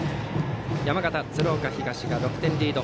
山形・鶴岡東が６点リード。